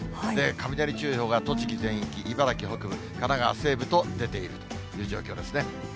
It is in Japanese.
雷注意報が栃木全域、茨城北部、神奈川西部と出ているという状況ですね。